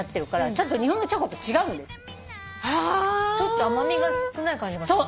ちょっと甘味が少ない感じがする。